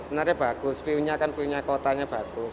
sebenarnya bagus view nya kan view nya kotanya bagus